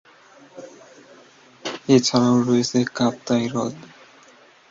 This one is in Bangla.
এছাড়াও রয়েছে কাপ্তাই হ্রদ।